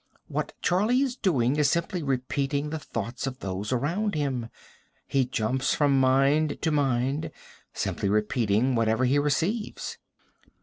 What Charlie is doing is simply repeating the thoughts of those around him. He jumps from mind to mind, simply repeating whatever he receives."